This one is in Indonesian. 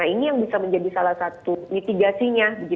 ini yang bisa menjadi salah satu mitigasinya